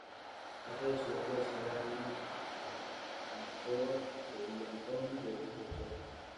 Ha traducido poesía de Anna Ajmátova, de Dylan Thomas y otros autores.